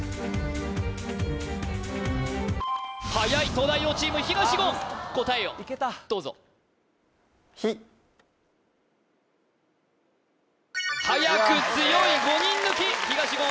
東大王チーム東言答えをどうぞはやく強い５人抜き東言お